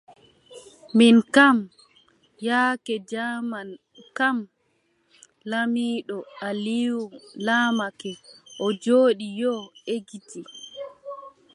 Min kam, yaake jaaman kam, laamiiɗo Alium laamake, o jooɗi yo, eggiti.